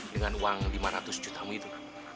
dengan uang lima ratus juta kamu itu